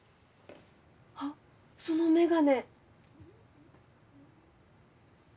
あっその眼鏡。